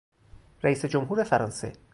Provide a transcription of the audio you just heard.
رئیسجمهور فرانسه